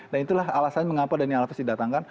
dan itulah alasannya mengapa danny alves didatangkan